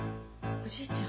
おじいちゃん！